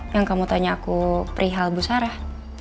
yang kamu tanya aku perihal bu sarah